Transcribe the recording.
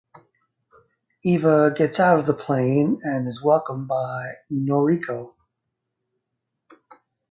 Eva gets out of the plane and is welcomed by Noriko.